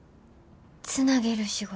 つなげる仕事。